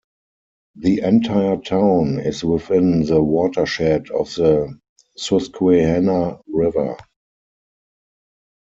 The entire town is within the watershed of the Susquehanna River.